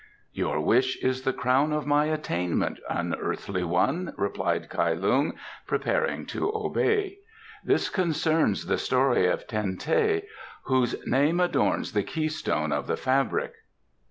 "Your wish is the crown of my attainment, unearthly one," replied Kai Lung, preparing to obey. "This concerns the story of Ten teh, whose name adorns the keystone of the fabric."